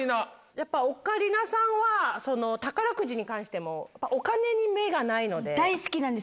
やっぱオカリナさんは宝くじに関してもお金に目がないので。